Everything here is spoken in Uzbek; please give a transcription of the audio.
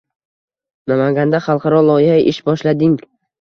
Namanganda xalqaro loyiha ish boshlading